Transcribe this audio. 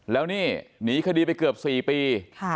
แล้วนี่หนีคดีไปเกือบ๔ปี